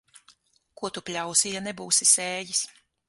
Ko tu pļausi, ja nebūsi sējis.